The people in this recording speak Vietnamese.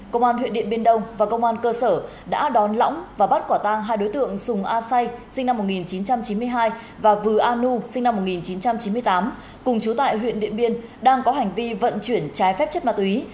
công an huyện điện biên đông và công an cơ sở đã đón lõng và bắt quả tang hai đối tượng sùng a say sinh năm một nghìn chín trăm chín mươi hai và vừa a nu sinh năm một nghìn chín trăm chín mươi tám cùng chú tại huyện điện biên đang có hành vi vận chuyển trái phép chất ma túy